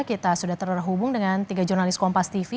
kita sudah terhubung dengan tiga jurnalis kompas tv